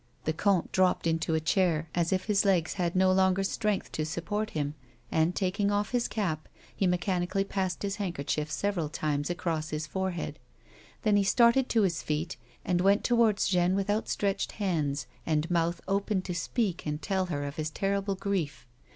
The comte dropped into a chair, as if his legs had no longer strength to support him, and, taking off his cap, he mechanically passed his handkerchief several times across his forehead ; then he started to his feet, and went towards Jeanne with outstretched hands, and mouth opened to speak and tell her of his terrible grief.